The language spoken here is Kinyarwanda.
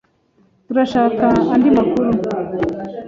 Turashaka andi makuru.